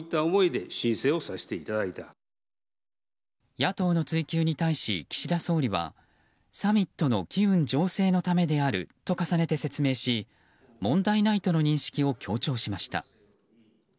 野党の追及に対し、岸田総理はサミットの機運醸成のためであると重ねて説明し問題ないとの認識を強調しました。